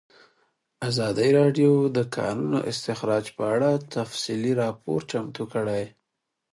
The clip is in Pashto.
ازادي راډیو د د کانونو استخراج په اړه تفصیلي راپور چمتو کړی.